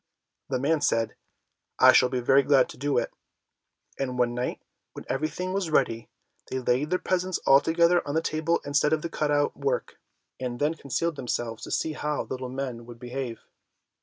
The man said, "I shall be very glad to do it;" and one night, when everything was ready, they laid their presents all together on the table instead of the cut out work, and then concealed themselves to see how the little men would behave.